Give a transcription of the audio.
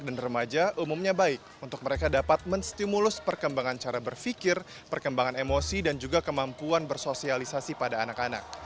dan remaja umumnya baik untuk mereka dapat menstimulus perkembangan cara berpikir perkembangan emosi dan juga kemampuan bersosialisasi pada anak anak